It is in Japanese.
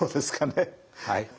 はい。